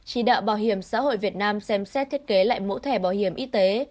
chỉ đạo bảo hiểm xã hội việt nam xem xét thiết kế lại mẫu thẻ bảo hiểm y tế